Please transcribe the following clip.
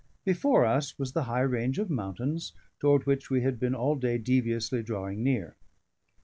Before us was the high range of mountains toward which we had been all day deviously drawing near.